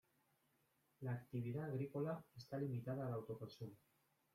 La actividad agrícola está limitada al autoconsumo.